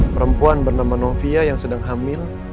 perempuan bernama novia yang sedang hamil